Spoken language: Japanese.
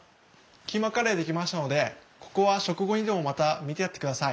キーマカレー出来ましたのでここは食後にでもまた見てやってください。